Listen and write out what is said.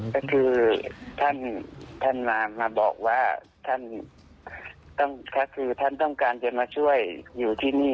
ก็คือท่านมาบอกว่าท่านก็คือท่านต้องการจะมาช่วยอยู่ที่นี่